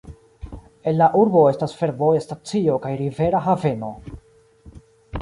En la urbo estas fervoja stacio kaj rivera haveno.